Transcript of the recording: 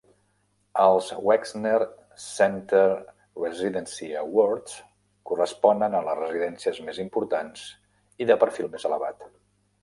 Els Wexner Center Residency Awards corresponen a les residències més importants i de perfil més elevat.